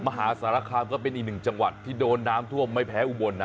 มหาสารคามก็เป็นอีกหนึ่งจังหวัดที่โดนน้ำท่วมไม่แพ้อุบลนะ